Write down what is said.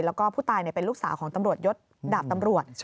แล้วก็ผู้ตายเป็นลูกสาวของตำรวจยศดาบตำรวจ